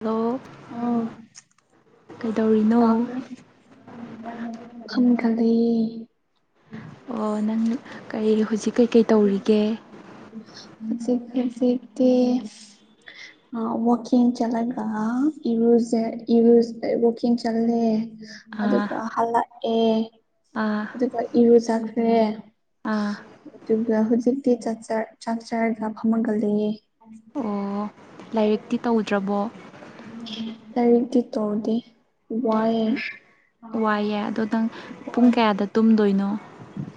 hello ꯑꯣ ꯀꯩꯗꯧꯔꯤ [unintelligible] ꯑꯣ ꯅꯪ ꯀꯔꯤ ꯍꯧꯖꯤꯛ ꯀꯩꯀꯩ ꯇꯧꯔꯤꯒꯦ ꯍꯨꯖꯤꯛ ꯍꯨꯖꯤꯛꯇꯤ [unintelligible] ꯑ ꯋꯥꯀꯤꯡ ꯆꯂꯒ ꯏꯔꯨꯖ ꯏꯔꯣ ꯋꯥꯀꯤꯡ ꯆꯜꯂꯦ ꯑꯗꯨꯒ ꯑꯥ ꯍꯜꯂꯛꯑꯦ ꯑꯥ ꯑꯗꯨꯒ ꯏꯔꯨ ꯆꯈ꯭ꯔꯦ ꯑꯥ ꯑꯗꯨꯒ ꯍꯧꯖꯤꯛꯇꯤ ꯆꯥꯛꯆ ꯆꯥꯛꯆꯥꯔꯒ ꯐꯝꯃꯨꯡꯗ ꯂꯩꯌꯦ [unintelligible] ꯑꯣ ꯂꯥꯏꯔꯤꯛꯇꯤ ꯇꯧꯗ꯭ꯔꯕꯣ ꯂꯥꯏꯔꯤꯛꯇꯤ ꯇꯧꯗꯦ ꯋꯥꯏ ꯋꯥꯏꯑꯦ ꯑꯗꯣ ꯅꯪ ꯄꯨꯡ ꯀꯌꯥꯗ ꯇꯨꯝꯗꯣꯏꯅꯣ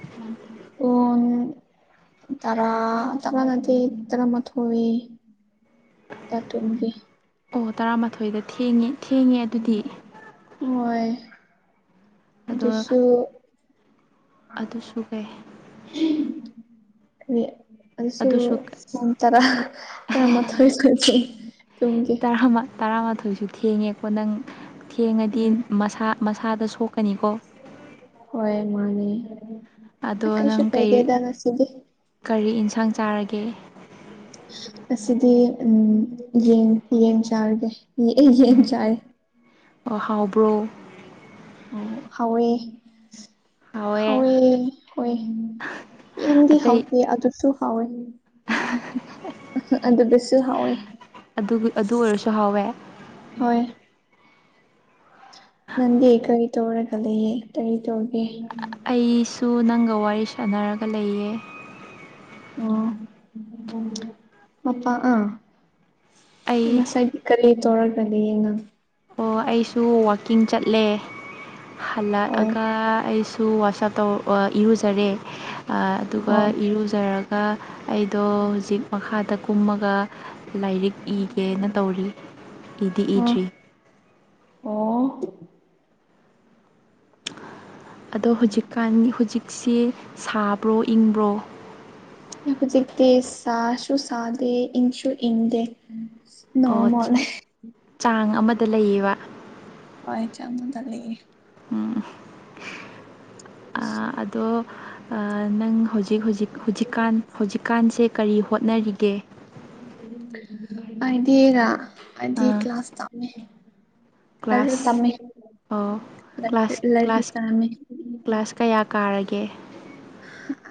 [unintelligible] ꯇꯔꯥ ꯇꯔꯥ ꯅꯠꯇꯦ ꯇꯔꯥꯃꯊꯣꯏꯋꯏ [unintelligible] ꯑꯣ ꯇꯔꯥꯃꯥꯊꯣꯏꯗ ꯊꯦꯡꯉꯦ ꯊꯦꯡꯉꯦ ꯑꯗꯨꯗꯤ ꯍꯣꯏ ꯑꯗꯣ ꯑꯗꯨꯁꯨ ꯑꯗꯨꯁꯨ ꯀꯩ [unintelligible] ꯑꯗꯨꯁꯨ ꯄꯨꯡ ꯇꯔꯥ ꯇꯔꯥꯃꯥꯊꯥꯏ [unintelligible] ꯥ ꯇꯔꯥꯃꯥꯊꯣꯏꯁꯨ ꯊꯦꯡꯉꯦꯀꯣ ꯅꯪ ꯊꯦꯡꯉꯗꯤ ꯎꯝ ꯃꯁꯥ ꯃꯁꯥꯗ ꯁꯣꯛꯀꯅꯤꯀꯣ ꯍꯣꯏ ꯃꯥꯅꯦ ꯑꯗꯣ ꯀꯩꯁꯨ ꯅꯪ ꯀꯩ ꯀꯥꯏꯗꯦꯗ ꯉꯁꯤꯗꯤ ꯀꯔꯤ ꯏꯟꯁꯥꯡ ꯆꯥꯔꯒꯦ ꯑꯁꯤꯗꯤ ꯎꯝ ꯌꯦꯡ ꯆꯥꯔꯒꯦ ꯌꯦꯡ ꯆꯥꯔꯦ ꯑꫭ ꯍꯥꯎꯕ꯭ꯔꯣ ꯑꯣ ꯍꯥꯎꯋꯦ ꯍꯥꯎꯋꯦ ꯍꯣꯏ ꯌꯥꯝꯗꯤ ꯑꯇꯩ ꯍꯥꯎꯇꯦ ꯑꯗꯨꯁꯨ ꯍꯥꯎꯋꯦ [unintelligible] ꯑꯗꯨꯗꯁꯨ ꯍꯥꯎꯋꯤ ꯑꯗꯨ ꯑꯗꯨ ꯑꯣꯏꯔꯁꯨ ꯍꯥꯎꯋꯦ ꯍꯣꯏ ꯅꯪꯗꯤ ꯀꯔꯤ ꯇꯧꯔꯒꯂꯩꯌꯦ ꯀꯔꯤ ꯇꯧꯒꯦ ꯑꯩꯁꯨ ꯅꯪꯒ ꯋꯥꯔꯤ ꯁꯥꯟꯅꯔꯒ ꯂꯩꯌꯦ ꯑꯣ ꯃꯄꯥ ꯑꯥ ꯑꯩ ꯉꯁꯥꯏꯒꯤ ꯀꯂꯤ ꯇꯧꯔꯒꯅꯤ ꯌꯦꯡꯉꯝ ꯑꯣ ꯑꯩꯁꯨ ꯋꯥꯛꯀꯤꯡ ꯆꯠꯂꯦ ꯍꯣꯏ ꯍꯜꯂꯛꯑꯒ ꯑꯩꯁꯨ ꯋꯥꯆꯞ ꯇꯣ ꯑ ꯏꯔꯨꯖꯔꯦ ꯑ ꯑꯗꯨꯒ ꯑꯣ ꯏꯔꯨꯖꯔꯒ ꯑꯩꯗꯣ ꯍꯧꯖꯤꯛ ꯃꯈꯥꯗ ꯀꯨꯝꯃꯒ ꯂꯥꯏꯔꯤꯛ ꯏꯒꯦꯅ ꯇꯧꯔꯤ ꯏꯗꯤ ꯑ ꯏꯗ꯭ꯔꯤ ꯑꯣ ꯑꯗꯣ ꯍꯧꯖꯤꯛꯀꯥꯟ ꯍꯧꯖꯤꯛꯁꯤ ꯁꯥꯕ꯭ꯔꯣ ꯏꯪꯕ꯭ꯔꯣ ꯍꯧꯖꯤꯛꯇꯤ ꯁꯥꯁꯨ ꯁꯥꯗꯦ ꯏꯪꯁꯨ ꯏꯪꯗꯦ ꯑꯣ ꯅꯣꯔꯃꯜ ꯆꯤꯛ ꯆꯥꯡ ꯑꯃꯗ ꯂꯩꯑꯕ ꯍꯣꯏ ꯆꯥꯡ [unintelligible] ꯂꯩꯌꯦ ꯎꯝ ꯑꯥ ꯑꯗꯣ ꯑ ꯅꯪ ꯍꯧꯖꯤꯛ ꯍꯧꯖꯤꯛ ꯍꯧꯖꯤꯛ ꯍꯧꯖꯤꯛꯀꯥꯟ ꯍꯧꯖꯤꯛꯀꯥꯟꯁꯦ ꯀꯔꯤ ꯍꯣꯠꯅꯔꯤꯒꯦ ꯑꯩꯗꯤꯔꯥ ꯑꯩꯗꯤ ꯑꯥ ꯀ꯭ꯂꯥꯁ ꯇꯝꯃꯤ [unintelligible] ꯀ꯭ꯂꯥꯁ ꯇꯝꯃꯤ ꯑꯣ ꯀ꯭ꯂꯥꯁ ꯂꯥꯏꯔꯤꯛ ꯀ꯭ꯂꯥꯁ ꯇꯝꯃꯤ ꯀ꯭ꯂꯥꯁ ꯀꯌꯥ ꯀꯥꯔꯒꯦ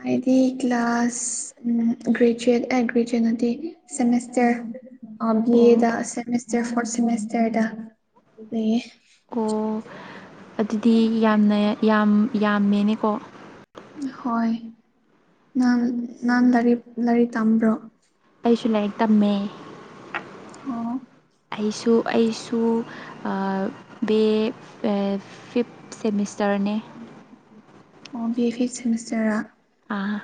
ꯑꯩꯗꯤ ꯀ꯭ꯂꯥꯁ ꯎꯝ ꯒ꯭ꯔꯦꯖꯌꯣꯏꯠ ꯑꯦ ꯒ꯭ꯔꯦꯖꯌꯣꯏꯠ ꯅꯠꯇꯦ ꯁꯦꯃꯤꯁꯇꯔ ꯑ ꯕꯤ ꯑꯣ ꯑꯦꯗ ꯁꯦꯃꯦꯁꯇꯔ ꯐꯣꯔꯠ ꯁꯦꯃꯤꯁꯇꯔꯗ ꯂꯩꯌꯦ ꯑꯣ ꯑꯗꯨꯗꯤ ꯌꯥꯝꯅ ꯌꯥꯝ ꯌꯥꯝꯃꯦꯅꯦꯀꯣ ꯍꯣꯏ ꯅꯪ ꯅꯪ ꯂꯥꯏꯔꯤ ꯂꯥꯏꯔꯤꯛ ꯇꯝꯕ꯭ꯔꯣ ꯑꯩꯁꯨ ꯂꯥꯏꯔꯤꯛ ꯇꯝꯃꯦ ꯑꯣ ꯑꯩꯁꯨ ꯑꯩꯁꯨ ꯑꯥ ꯕꯤꯑꯦ ꯐꯤꯞ ꯁꯦꯃꯤꯁꯇꯔꯅꯦ ꯑꯣ ꯕꯤ ꯑꯦ ꯐꯤꯞ ꯁꯦꯃꯤꯁꯇꯔꯔꯥ ꯑꯥ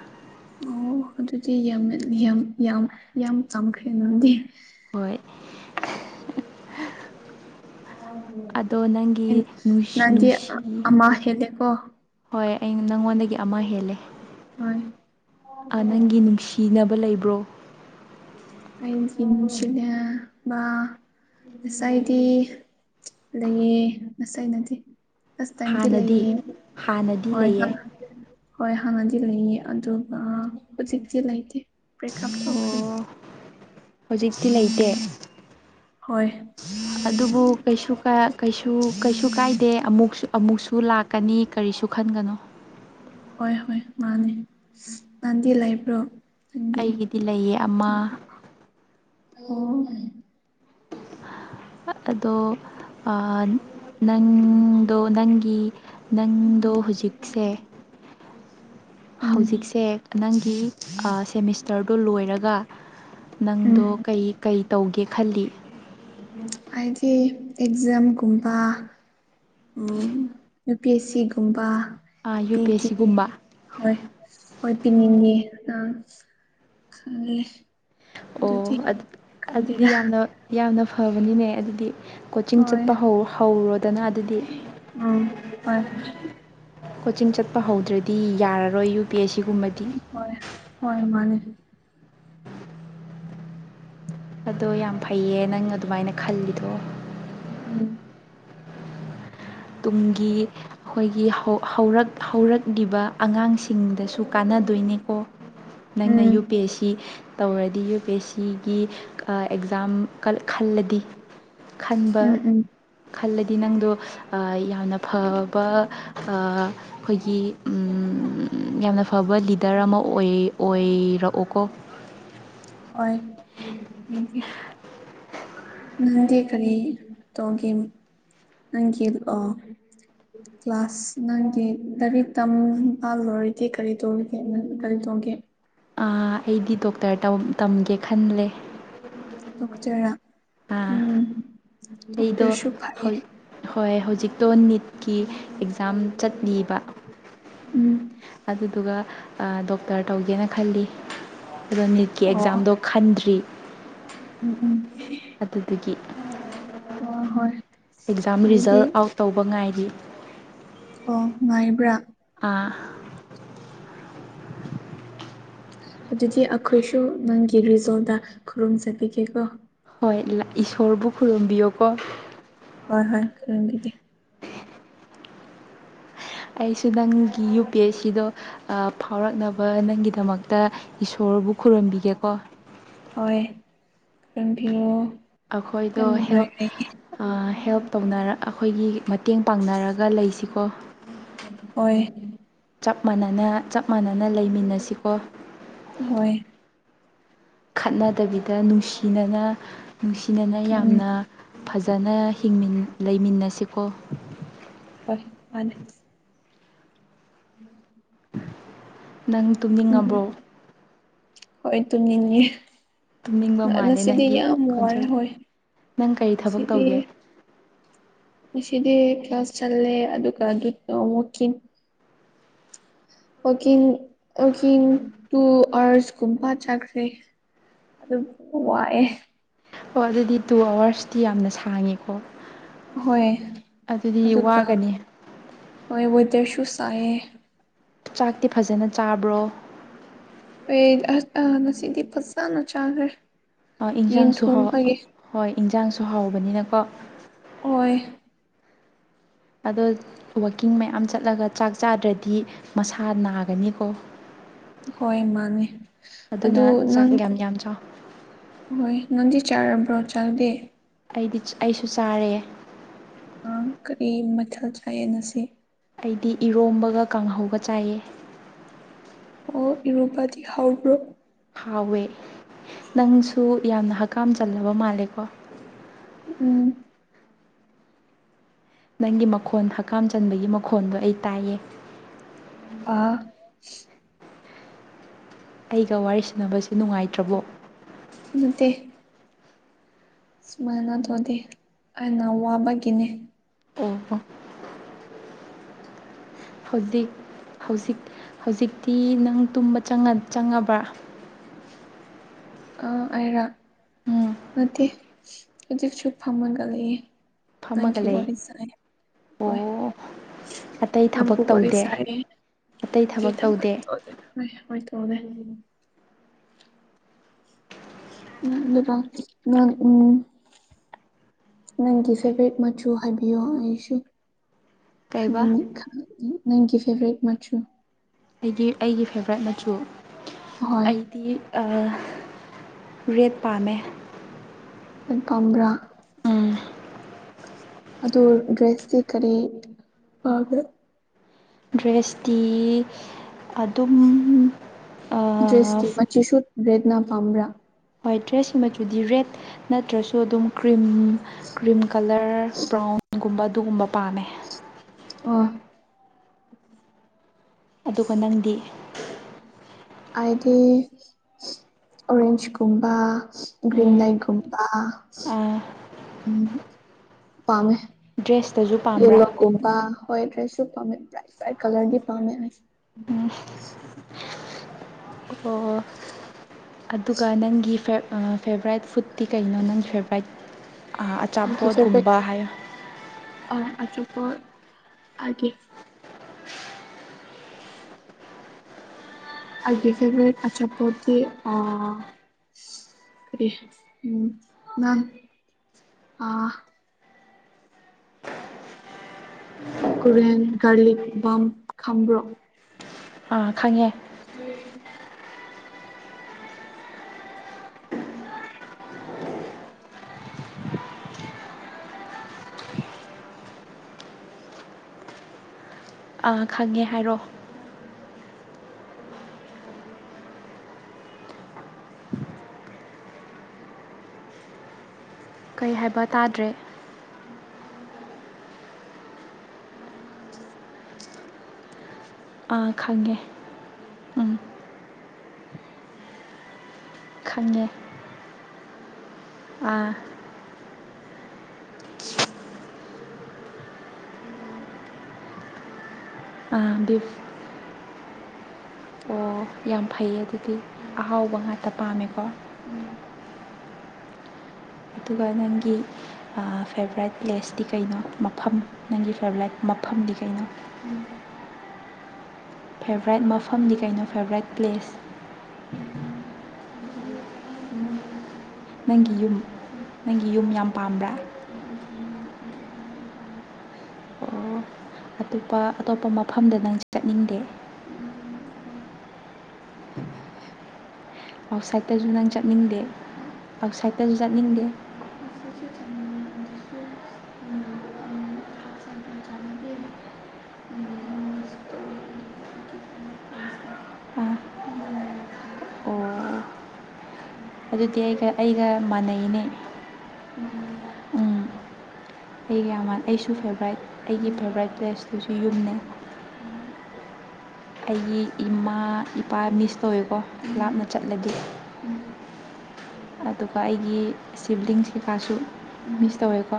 ꯑꯣ ꯑꯗꯨꯗꯤ ꯌꯥꯝ ꯌꯥꯝ ꯌꯥꯝ ꯌꯥꯝ ꯇꯝꯈ꯭ꯔꯦ ꯑꯗꯨꯗꯤ ꯍꯣꯏ [unintelligible] ꯑꯗꯣ ꯅꯪꯒꯤ ꯅꯨꯡꯁꯤ ꯅꯪꯗꯤ ꯅꯨꯡꯁꯤ ꯑꯃ ꯍꯦꯜꯂꯦꯀꯣ ꯍꯣꯏ ꯑꯩꯅ ꯅꯪꯉꯣꯟꯗꯒꯤ ꯑꯃ ꯍꯦꯜꯂꯦ ꯍꯣꯏ ꯑꯥ ꯅꯪꯒꯤ ꯅꯨꯡꯁꯤꯅꯕ ꯂꯩꯕ꯭ꯔꯣ ꯑꯩꯗꯤ ꯅꯨꯡꯁꯤꯅ ꯕꯥ ꯑꯁ ꯑꯩꯗꯤ ꯂꯩꯌꯦ ꯉꯁꯥꯏꯅꯗꯤ ꯐꯔꯁ ꯇꯥꯏꯝꯗꯤ ꯍꯥꯟꯅꯗꯤ ꯂꯩꯌꯦ ꯍꯥꯟꯅꯗꯤ ꯍꯣꯏ ꯂꯩꯌꯦ ꯍꯣꯏ ꯍꯥꯟꯅꯗꯤ ꯂꯩꯌꯦ ꯑꯗꯨꯒ ꯍꯧꯖꯤꯛꯇꯤ ꯂꯩꯇꯦ ꯕꯔꯦꯛ ꯑꯞ ꯇꯧꯈ꯭ꯔꯦ ꯑꯣ ꯍꯧꯖꯤꯛꯇꯤ ꯂꯩꯇꯦ ꯍꯣꯏ ꯑꯗꯨꯕꯨ ꯀꯩꯁꯨ ꯀꯥ ꯀꯩꯁꯨ ꯀꯩꯁꯨ ꯀꯥꯏꯗꯦ ꯑꯃꯨꯛꯁꯨ ꯑꯃꯨꯛꯁꯨ ꯂꯥꯛ ꯀꯅꯤ ꯀꯔꯤꯁꯨ ꯈꯟꯒꯅꯨ ꯍꯣꯏ ꯍꯣꯏ ꯃꯥꯅꯤ ꯅꯟꯗꯤ ꯂꯩꯕ꯭ꯔꯣ ꯅꯪꯗꯤ ꯑꯩꯒꯤꯗꯤ ꯂꯩꯌꯦ ꯑꯃ ꯅꯨꯄꯥ ꯑꯣ ꯑꯗꯣ ꯑꯥ ꯅꯪꯗꯣ ꯅꯪꯒꯤ ꯅꯪꯗꯣ ꯍꯧꯖꯤꯛꯁꯦ ꯎꯝ ꯍꯧꯖꯤꯛꯁꯦ ꯅꯪꯒꯤ ꯑꯥ ꯁꯦꯃꯤꯁꯇꯔꯗꯣ ꯂꯣꯏꯔꯒ ꯅꯪꯗꯣ ꯎꯝ ꯀꯩ ꯀꯩ ꯇꯧꯒꯦ ꯈꯜꯂꯤ ꯑꯩꯗꯤ ꯑꯦꯛꯖꯥꯝꯒꯨꯝꯕ ꯎꯝ ꯌꯨ ꯄꯤ ꯑꯦ ꯁꯤꯒꯨꯝꯕ ꯌꯨ ꯄꯤ ꯑꯦꯁ ꯄꯤꯈꯤꯒꯦ ꯁꯤꯒꯨꯝꯕ ꯍꯣꯏ ꯍꯣꯏ ꯄꯤꯅꯤꯡꯉꯦ ꯅꯪ ꯈꯜꯂꯦ ꯑꯣ ꯑꯗꯨꯗꯤ ꯑꯗꯨ ꯑꯗꯨꯗꯤ ꯈꯪꯗꯦꯗ ꯌꯥꯝꯅ ꯌꯥꯝꯅ ꯐꯕꯅꯤꯅꯦ ꯑꯗꯨꯗꯤ ꯀꯣꯆꯤꯡ ꯍꯣꯏ ꯆꯠꯄ ꯍꯧ ꯍꯧꯔꯣꯗꯅ ꯑꯗꯨꯗꯤ ꯎꯝ ꯍꯣꯏ ꯀꯣꯆꯤꯡ ꯆꯠꯄ ꯍꯧꯗ꯭ꯔꯗꯤ ꯌꯥꯔꯔꯣꯏ ꯌꯨ ꯄꯤ ꯑꯦꯁ ꯁꯤꯒꯨꯝꯕꯗꯤ ꯍꯣꯏ ꯍꯣꯏ ꯃꯥꯅꯤ ꯑꯗꯣ ꯌꯥꯝ ꯐꯩꯌꯦ ꯅꯪ ꯑꯗꯨꯃꯥꯏꯅ ꯈꯜꯂꯤꯗꯣ ꯎꯝ ꯇꯨꯡꯒꯤ ꯑꯩꯈꯣꯏ ꯒꯤ ꯍꯧ ꯍꯧꯔꯛ ꯍꯧꯔꯛꯂꯤꯕ ꯑꯉꯥꯡꯁꯤꯡꯗꯁꯨ ꯀꯥꯟꯅꯗꯣꯏꯅꯦꯀꯣ ꯅꯪꯅ ꯎꯝ ꯌꯨ ꯄꯤ ꯑꯦꯁ ꯁꯤ ꯇꯧꯔꯗꯤ ꯌꯨ ꯄꯤ ꯑꯦꯁ ꯁꯤꯒꯤ ꯑꯥ ꯑꯦꯛꯖꯥꯝ ꯈꯜꯂꯗꯤ ꯈꯟꯕ ꯎꯝ ꯎꯝ ꯈꯜꯂꯗꯤ ꯅꯪꯗꯣ ꯑꯥ ꯌꯥꯝꯅ ꯐꯕ ꯑꯥ ꯑꯩꯈꯣꯏꯒꯤ ꯎꯝ ꯌꯥꯝꯅ ꯐꯕ ꯂꯤꯗꯔ ꯑꯃ ꯑꯣꯏ ꯑꯣꯏꯔꯛꯑꯣꯀꯣ ꯍꯣꯏ [unintelligible] ꯅꯪꯗꯤ ꯀꯔꯤ ꯇꯧꯒꯦ ꯅꯪꯒꯤ ꯑꯣ [inaudible] ꯀ꯭ꯂꯥꯁ ꯅꯪꯒꯤ ꯂꯥꯏꯔꯤꯛ ꯇꯝꯕ ꯂꯣꯏꯔꯗꯤ ꯀꯔꯤ ꯇꯧꯔꯤꯒꯦ ꯀꯔꯤ ꯇꯧꯒꯦ ꯑꯥ ꯑꯩꯗꯤ ꯗꯣꯛꯇꯔ ꯇꯧ ꯇꯝꯒꯦ ꯈꯜꯂꯦ [inaudible] ꯑꯥ ꯎꯝ ꯑꯩꯗꯣ ꯑꯗꯨꯁꯨ ꯐꯩꯌꯦ ꯍꯣꯏ ꯍꯧꯖꯤꯛꯇꯣ ꯅꯤꯠ ꯀꯤ ꯑꯦꯛꯖꯥꯝ ꯆꯠꯂꯤꯕ ꯎꯝ ꯑꯗꯨꯗꯨꯒ ꯑꯥ ꯗꯣꯛꯇꯔ ꯇꯧꯒꯦꯅ ꯈꯜꯂꯤ ꯑꯗꯣ ꯅꯤꯠꯀꯤ ꯑꯣ ꯑꯦꯛꯖꯥꯝꯗꯣ ꯈꯟꯗ꯭ꯔꯤ ꯑꯗꯨꯗꯨꯒꯤ ꯑꯣ ꯍꯣꯏ ꯑꯦꯛꯖꯥꯝ ꯔꯤꯖꯜ ꯑꯗꯨꯗꯤ ꯑꯥꯎꯠ ꯇꯧꯕ ꯉꯥꯏꯔꯤ ꯑꯣ ꯉꯥꯏꯕ꯭ꯔꯥ ꯑꯥ ꯑꯗꯨꯗꯤ ꯑꯩꯈꯣꯏꯁꯨ ꯅꯪꯒꯤ ꯔꯤꯖꯜꯗ ꯈꯨꯔꯨꯝꯖꯕꯤꯒꯦꯀꯣ ꯍꯣꯏ ꯏꯁꯣꯔꯕꯨ ꯈꯨꯔꯨꯝꯕꯤꯌꯨꯀꯣ ꯍꯣꯏ ꯍꯣꯏ [inaudible] [unintelligible] ꯑꯩꯁꯨ ꯅꯪꯒꯤ ꯌꯨ ꯄꯤ ꯑꯦꯁ ꯁꯤꯗꯣ ꯑꯥ ꯐꯥꯎꯔꯛꯅꯕ ꯅꯪꯒꯤꯗꯃꯛꯇ ꯏꯁꯣꯔꯕꯨ ꯈꯨꯔꯨꯝꯕꯤꯒꯦꯀꯣ ꯍꯣꯏ ꯈꯨꯔꯨꯝꯕꯤꯔꯣꯑꯣ ꯑꯩꯈꯣꯏꯗꯣ ꯍꯦꯜꯞ ꯑꯥ ꯍꯦꯜꯞ ꯇꯧꯅꯔ ꯑꯩꯈꯣꯏꯒꯤ ꯃꯇꯦꯡ ꯄꯥꯡꯅꯔꯒ ꯂꯩꯁꯤꯀꯣ ꯍꯣꯏ ꯆꯞ ꯃꯥꯟꯅꯅ ꯆꯞ ꯃꯥꯟꯅꯅ ꯂꯩꯃꯤꯟꯅꯁꯤꯀꯣ ꯍꯣꯏ ꯈꯠꯅꯗꯕꯤꯗ ꯅꯨꯡꯁꯤꯅꯅ ꯅꯨꯡꯁꯤꯅꯅ ꯎꯝ ꯌꯥꯝꯅ ꯐꯖꯅ ꯍꯤꯡ ꯂꯩꯃꯤꯟꯅꯁꯤꯀꯣ ꯍꯣꯏ ꯃꯥꯅꯦ [unintelligible] ꯅꯪ ꯎꯝ ꯇꯨꯝꯅꯤꯡꯉꯕ꯭ꯔꯣ ꯍꯣꯏ ꯇꯨꯝꯅꯤꯡꯉꯦ ꯇꯨꯝꯅꯤꯡꯕ ꯃꯥꯜꯂꯦ ꯉꯁꯤꯗꯤ ꯅꯪꯒꯤ ꯌꯥꯝ ꯋꯥꯔꯦ ꯈꯣꯟꯖꯦꯜ ꯍꯣꯏ ꯅꯪ ꯀꯔꯤ ꯊꯕꯛ ꯁꯤꯗꯤ ꯇꯧꯒꯦ ꯉꯁꯤꯗꯤ ꯀ꯭ꯂꯥꯁ ꯆꯜꯂꯦ ꯑꯗꯨꯒ ꯑꯗꯨꯗ ꯋꯀꯤꯡ ꯋꯥꯀꯤꯡ ꯋꯥꯀꯤꯡ ꯇꯨ ꯑꯥꯋꯔꯁꯀꯨꯝꯕ ꯆꯥꯈ꯭ꯔꯦ ꯑꯗꯨꯝ ꯋꯥꯑꯦ ꯑꯣ ꯑꯗꯨꯗꯤ ꯇꯨ ꯑꯥꯋꯥꯔꯁꯇꯤ ꯌꯥꯝꯅ ꯁꯥꯡꯉꯦꯀꯣ ꯍꯣꯏ ꯑꯗꯨꯗꯤ ꯑꯗꯨꯒ ꯋꯥꯒꯅꯤ ꯍꯣꯏ ꯑꯣꯏꯣꯏꯇꯁꯨ ꯁꯥꯏꯌꯦ ꯆꯥꯛꯇꯤ ꯐꯖꯅ ꯆꯥꯕ꯭ꯔꯣ ꯑ ꯉꯁꯤꯗꯤ ꯐꯖꯁꯥꯅ ꯆꯥꯈ꯭ꯔꯦ ꯌꯦꯟ ꯏꯟꯖꯥꯡꯁꯨ ꯍꯥꯎ ꯊꯣꯡꯕꯒꯤ ꯍꯣꯏ ꯏꯟꯖꯥꯡꯁꯨ ꯍꯥꯎꯕꯅꯤꯅꯀꯣ ꯑꯣꯏ ꯑꯗꯣ ꯋꯥꯛꯀꯤꯡ ꯃꯌꯥꯝ ꯆꯠꯂꯒ ꯆꯥꯛ ꯆꯥꯗ꯭ꯔꯗꯤ ꯃꯁꯥ ꯅꯥꯒꯅꯤꯀꯣ ꯍꯣꯏ ꯃꯥꯅꯦ ꯑꯗꯨ ꯑꯗꯨꯅ ꯆꯥꯛ ꯅꯪ ꯌꯥꯝ ꯌꯥꯝ ꯆꯥꯎ ꯍꯣꯏ ꯅꯪꯗꯤ ꯆꯥꯔꯕ꯭ꯔꯣ ꯆꯥꯗꯦ ꯑꯩꯗꯤ ꯑꯩꯁꯨ ꯆꯥꯔꯦ ꯀꯔꯤ ꯃꯊꯦꯜ ꯆꯥꯏꯌꯦꯅꯁꯤ ꯑꯩꯗꯤ ꯏꯔꯣꯝꯕꯒ ꯀꯥꯡꯍꯧꯒ ꯆꯥꯏꯌꯦ ꯑꯣ ꯏꯔꯨꯕꯗꯤ ꯍꯧꯎꯕ꯭ꯔꯣ ꯍꯥꯎꯋꯦ ꯅꯪꯁꯨ ꯌꯥꯝꯅ ꯍꯀꯥꯝ ꯆꯜꯂꯕ ꯃꯥꯜꯂꯦꯀꯣ ꯎꯝ ꯅꯪꯒꯤ ꯃꯈꯣꯟ ꯍꯀꯥꯝ ꯆꯟꯕꯒꯤ ꯃꯈꯣꯟꯗꯣ ꯑꯩ ꯇꯥꯏꯌꯦ ꯑꯥ ꯑꯩꯒ ꯋꯥꯔꯤ ꯁꯥꯟꯅꯕꯁꯤ ꯅꯨꯡꯉꯥꯏꯇ꯭ꯔꯕꯣ ꯅꯠꯇꯦ ꯁꯨꯃꯥꯏꯅ ꯑꯗꯨꯧꯗꯤ ꯑꯩꯅ ꯋꯥꯕꯒꯤꯅꯦ ꯑꯣ ꯑꯣ ꯍꯧꯖꯤꯛ ꯍꯧꯖꯤꯛ ꯍꯧꯖꯤꯛꯇꯤ ꯅꯪ ꯇꯨꯝꯕ ꯆꯪꯉꯕ꯭ꯔꯥ ꯑꯔ ꯎꯝ ꯅꯠꯇꯦ ꯍꯧꯖꯤꯛꯁꯨ ꯐꯃꯒꯂꯌꯦ ꯐꯝꯃꯒ ꯅꯪꯈꯤ ꯂꯩ ꯋꯥꯔꯤ ꯁꯥꯏ ꯍꯣꯏ ꯑꯣ ꯑꯇꯩ ꯊꯕꯛ ꯅꯪꯒꯨ ꯋꯥꯔꯤ ꯋꯥꯔꯤ ꯇꯧꯗꯦ ꯁꯔꯦ ꯑꯇꯩ ꯀꯩ ꯊꯕꯛ ꯇꯧꯗꯦ ꯊꯝꯄꯗ ꯍꯣꯏ ꯍꯣꯏ ꯍꯗ ꯍ [unintelligible] ꯅꯪꯒꯤ ꯐꯦꯚꯔꯦꯠ ꯃꯆꯨ ꯍꯥꯏꯕꯤꯌꯣ ꯑꯩꯁꯨ ꯀꯩꯕꯥ ꯅꯪꯒꯤ ꯐꯦꯚꯔꯦꯠ ꯃꯆꯨ ꯑꯩꯗꯤ ꯑꯩꯒꯤ ꯐꯦꯕꯣꯔꯥꯏꯠ ꯃꯆꯨ ꯍꯣꯏ ꯑꯩꯗꯤ ꯔꯦꯠ ꯄꯥꯝꯃꯦ ꯂ ꯄꯕ꯭ꯔꯥ ꯎꯝ ꯑꯗ ꯗ꯭ꯔꯦꯁꯇꯤ ꯀꯔꯤ ꯄꯥꯕ꯭ꯔꯥ ꯗ꯭ꯔꯦꯁꯇꯤ ꯑꯗꯨꯝ ꯔꯦꯠꯅꯥ ꯄꯥꯝꯕ꯭ꯔꯥ ꯋꯥꯏꯠ ꯗ꯭ꯔꯦꯁꯀꯤ ꯃꯆꯨꯗꯤ ꯔꯦꯠ ꯅꯠꯇ꯭ꯔꯁꯨ ꯑꯗꯨꯝ ꯀ꯭ꯔꯤꯝ ꯀ꯭ꯔꯤꯝ ꯀꯂꯔ ꯕ꯭ꯔꯥꯎꯟꯒꯨꯝꯕ ꯑꯗꯨꯒꯨꯝꯕ ꯄꯥꯝꯃꯦ ꯑꯣ ꯑꯗꯨꯒ ꯅꯪꯗꯤ ꯑꯥꯏꯗꯤ ꯑꯣꯔꯦꯟꯖꯀꯨꯝꯕ ꯒ꯭ꯔꯤꯟ ꯎꯝ ꯂꯥꯏꯠꯒꯨꯝꯕ ꯑꯥ ꯎꯝ ꯄꯥꯝꯃꯦ ꯗ꯭ꯔꯦꯁꯇꯁꯨ ꯄꯥꯝꯕ꯭ꯔꯥ ꯌꯦꯜꯂꯣꯒꯨꯝꯕ ꯍꯣꯏ ꯗ꯭ꯔꯦꯁꯁꯨ ꯄꯥꯝꯃꯦ ꯄ꯭ꯔꯥꯏꯠ ꯄ꯭ꯔꯥꯏꯠ ꯀꯂꯔꯗꯤ ꯄꯥꯝꯃꯦꯁꯦ ꯎꯝ ꯑꯣ ꯑꯗꯨꯒ ꯅꯪꯒꯤ ꯐꯦꯕꯣꯔꯥꯏꯠ ꯐꯨꯗꯠꯇꯤ ꯀꯩꯅꯣ ꯅꯪ ꯐꯦꯕꯣꯔꯥꯏꯠ ꯑꯆꯥꯄꯣꯠꯒꯨꯝꯕ ꯍꯥꯏ ꯑꯣꯔꯥꯡ ꯑꯆꯨꯞꯄ ꯍꯥꯏꯒꯦ [inaudible] ꯑꯒ ꯐꯦꯜꯦ ꯑꯆꯥꯄꯗꯤ ꯑ ꯀ ꯎꯝ ꯅꯥꯟ ꯑ ꯀꯔꯤ ꯒꯥꯔꯤ ꯕꯥꯝ ꯈꯥꯝꯕ꯭ꯔꯣꯛ ꯑꯥ ꯈꯪꯉꯦ [unintelligible] ꯈꯪꯉꯦ ꯍꯥꯏꯔꯛꯑꯣ ꯀꯩ ꯍꯥꯏꯕ ꯇꯥꯗ꯭ꯔꯦ ꯑꯥ ꯈꯪꯉꯦ ꯎꯝ ꯈꯪꯉꯦ ꯑꯥ ꯗꯤ ꯑꯣ ꯌꯥꯝ ꯐꯩꯌꯦ ꯑꯗꯨꯗꯤ ꯑꯍꯥꯎꯕ ꯉꯥꯛꯇ ꯄꯥꯝꯃꯦꯀꯣ ꯑꯗꯨꯒ ꯅꯪꯒꯤ ꯐꯦꯕꯣꯔꯥꯏꯠ ꯄ꯭ꯂꯦꯁꯇꯤ ꯀꯩꯅꯣ ꯃꯐꯝ ꯅꯪꯒꯤ ꯐꯦꯕꯣꯔꯥꯏꯠ ꯃꯐꯝꯗꯤ ꯀꯩꯅꯣ ꯎꯝ ꯐꯦꯕꯣꯔꯥꯏꯠ ꯃꯐꯝꯗꯤ ꯀꯩꯅꯣ ꯐꯦꯕꯣꯔꯥꯏꯠ ꯄ꯭ꯂꯦꯁ ꯅꯪꯒꯤ ꯌꯨꯝ ꯅꯪꯒꯤ ꯌꯨꯝ ꯌꯥꯝ ꯄꯥꯝꯕ꯭ꯔꯥ ꯑꯣ ꯑꯇꯣꯞꯄ ꯑꯇꯣꯞꯄ ꯃꯐꯝꯗ ꯅꯪ ꯆꯠꯅꯤꯡꯗꯦ ꯑꯥꯎꯠꯁꯥꯏꯠꯇꯁꯨ ꯅꯪ ꯆꯠꯅꯤꯡꯗꯦ ꯑꯥꯎꯠꯁꯥꯏꯠꯇꯁꯨ ꯆꯠꯅꯤꯡꯗꯦ ꯆ ꯁꯦꯟꯇꯔ ꯆ ꯑꯣ [unintelligible] ꯑꯗꯨꯗꯤ ꯑꯩꯒ ꯑꯩꯒ ꯃꯥꯟꯅꯩꯅꯦ ꯎꯝ ꯑꯩꯒ ꯌꯥꯝ ꯋꯥ ꯑꯩꯁꯨ ꯐꯦꯕꯣꯔꯥꯏꯠ ꯑꯩꯒꯤ ꯐꯦꯕꯣꯔꯥꯏꯠ ꯄ꯭ꯂꯦꯁꯇꯨꯁꯨ ꯌꯨꯝꯅꯦ ꯑꯩꯒꯤ ꯏꯃꯥ ꯏꯄꯥ ꯃꯤꯁ ꯇꯧꯋꯦꯀꯣ ꯂꯥꯞꯅ ꯆꯠꯂꯗꯤ ꯑꯗꯨꯒ ꯑꯩꯒꯤ ꯁꯤꯕ꯭ꯂꯤꯡꯁ ꯀꯩꯀꯥꯁꯨ ꯃꯤꯁ ꯇꯧꯋꯦꯀꯣ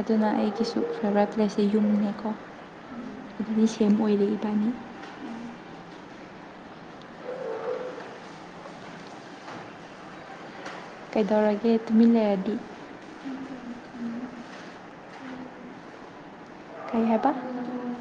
ꯑꯗꯨꯅ ꯑꯩꯒꯤꯁꯨ ꯐꯦꯚꯣꯔꯥꯏꯠ ꯄ꯭ꯂꯦꯁꯁꯦ ꯌꯨꯝꯅꯤꯀꯣ ꯑꯗꯨꯗꯤ ꯁꯦꯝ ꯑꯣꯏꯔꯦ ꯏꯕꯥꯅꯤ ꯀꯩꯗꯧꯔꯒꯦ ꯇꯨꯃꯤꯟ ꯂꯩꯔꯗꯤ ꯀꯩ ꯍꯥꯏꯕ